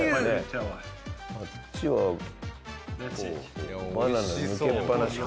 あっちはバナナ抜けっぱなしか。